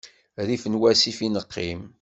Rrif n wasif i neqqim.